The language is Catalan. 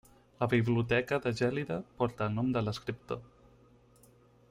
La biblioteca de Gelida porta el nom de l'escriptor.